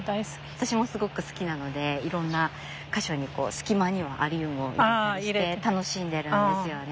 私もすごく好きなのでいろんな箇所に隙間にはアリウムを植えたりして楽しんでるんですよね。